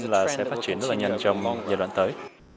tuy nhiên là sẽ phát triển rất là nhanh trong giai đoạn tới